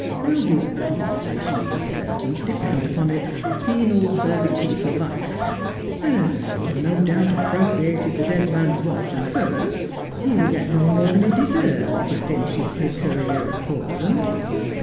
There'll be a commutation of the sentence, depend upon it — penal servitude for life — and as the fellow no doubt appro priated the dead man's watch and purse, he will get no more than he deserves, if he finishes his career at Portland.'